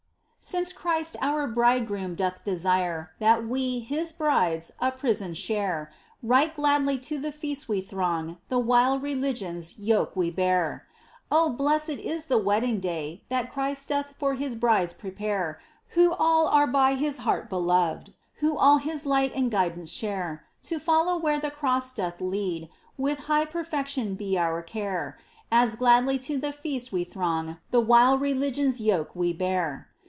Since Christ our Bridegroom doth desire That we, His brides, a prison share, Right gladly to the feast we throng. The while religion's yoke we bear ! Oh, blessed is the wedding day That Christ doth for His brides prepare. Who all are by His heart beloved, Who all His light and guidance share ! To follow where the cross doth lead With high perfection be our care. As gladly to the feast we throng. The while religion's yoke we bear.